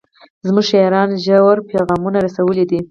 زموږ شاعرانو ژور پیغامونه رسولي دي.